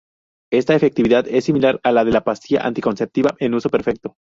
Esta efectividad es similar a la de la pastilla anticonceptiva en uso perfecto.